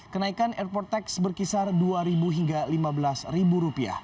kenaikan airport tax berkisar rp dua hingga rp lima belas